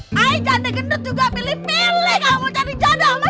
eh jantai gendut juga pilih pilih